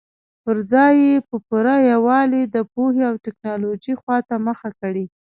پر ځای یې په پوره یووالي د پوهې او ټکنالوژۍ خواته مخه کړې.